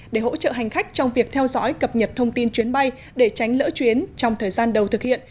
để hỗ trợ hành khách trong việc theo dõi cập nhật thông tin chuyến bay để tránh lỡ chuyến trong thời gian đầu thực hiện